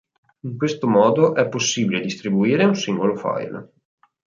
In questo modo è possibile distribuire un singolo file.